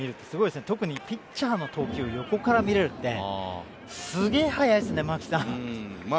すごいですね、特にピッチャーの投球を横から見れるって、すげえ速いですね。